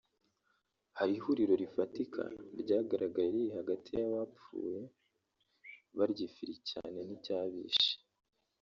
hari ihuriro rifatika ryagaragaye riri hagati y’abapfuye barya ifiri cyane n’icyabishe